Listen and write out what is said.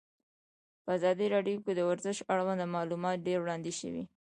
په ازادي راډیو کې د ورزش اړوند معلومات ډېر وړاندې شوي.